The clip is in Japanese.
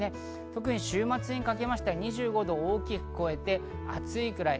特に週末にかけまして２５度を大きく超えて暑いぐらい。